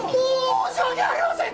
申し訳ありません！